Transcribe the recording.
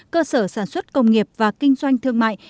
cơ sở sản xuất công nghiệp và kinh doanh thương mại